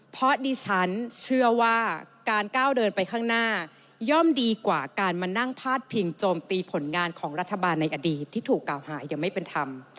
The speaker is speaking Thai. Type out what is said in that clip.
เพราะดิฉันเชื่อว่าการก้าวเดินไปข้างหน้าย่อมดีกว่าการมานั่งพาดพิงโจมตีผลงานของรัฐบาลในอดีตที่ถูกกล่าวหายังไม่เป็นธรรม